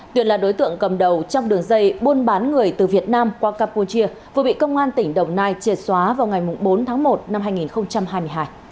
tuyền là đối tượng cầm đầu trong đường dây buôn bán người từ việt nam qua campuchia vừa bị công an tỉnh đồng nai triệt xóa vào ngày bốn tháng một năm hai nghìn hai mươi hai